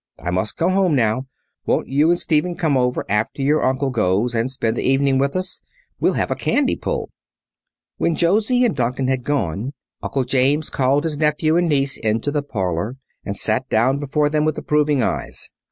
I must go home now. Won't you and Stephen come over after your uncle goes, and spend the evening with us? We'll have a candy pull." When Josie and Duncan had gone, Uncle James called his nephew and niece into the parlour, and sat down before them with approving eyes.